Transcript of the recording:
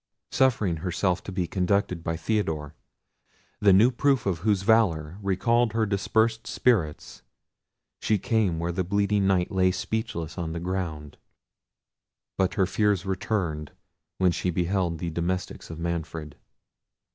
Suffering herself to be conducted by Theodore, the new proof of whose valour recalled her dispersed spirits, she came where the bleeding Knight lay speechless on the ground. But her fears returned when she beheld the domestics of Manfred.